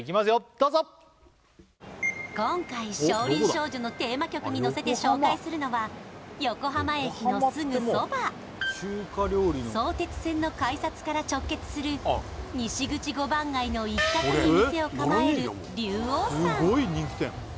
どうぞ今回「少林少女」のテーマ曲にのせて紹介するのは横浜駅のすぐそば相鉄線の改札から直結する西口五番街の一角に店を構える龍王さん